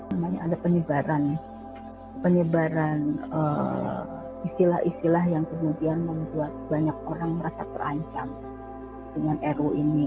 namanya ada penyebaran istilah istilah yang kemudian membuat banyak orang merasa terancam dengan ru ini